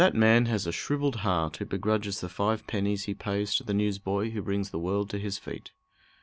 That man has a shrivelled heart who begrudges the five pennies he pays to the newsboy who brings the world to his feet.